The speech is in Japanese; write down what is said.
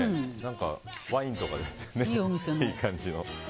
ワインとかでね、いい感じの。